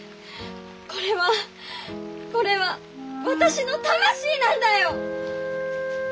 これはこれは私の魂なんだよ！